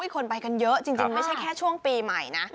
คนไปกันเยอะจริงไม่ใช่แค่ช่วงปีใหม่นะ